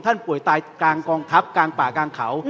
ป่วยตายกลางกองทัพกลางป่ากลางเขา